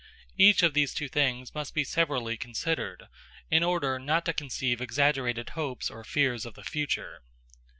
Each of these two things must be severally considered, in order not to conceive exaggerated hopes or fears of the future.